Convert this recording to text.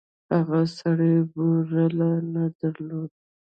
هغه سړي بوړۍ نه درلوده.